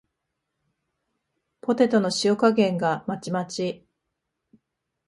ポテトの塩加減がまちまち